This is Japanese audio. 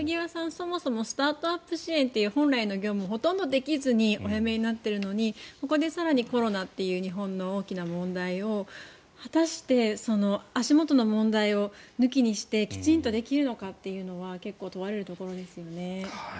そもそもスタートアップ支援という本来の業務をほとんどできずにお辞めになっているのにここで更にコロナという日本の大きな問題を果たして足元の問題を抜きにしてきちんとできるかは結構問われるところですよね。